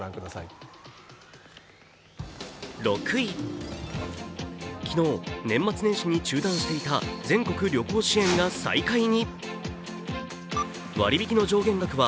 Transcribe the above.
６位、昨日、年末年始に中断していた全国旅行支援が再開に。